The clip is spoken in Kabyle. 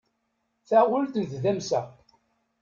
Taɣult n tdamsa.